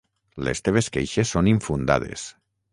Les teves queixes són infundades.